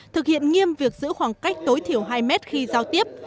thực hiện nghiêm việc giữ khoảng cách tối thiểu hai mét khi giao tiếp